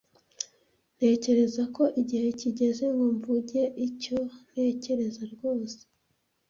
Ntekereza ko igihe kigeze ngo mvuge icyo ntekereza rwose.